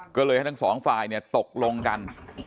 ก็เลยทั้งสองฝ่ายเนี่ยตกลงกัน